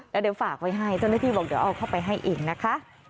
แล้วเดี๋ยวฝากไว้ให้เจ้าหน้าที่บอกเดี๋ยวเอาเข้าไปให้เองนะคะ